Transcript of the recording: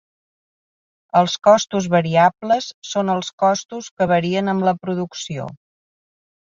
Els costos variables són els costos que varien amb la producció.